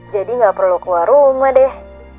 jadi gak perlu keluar rumah deh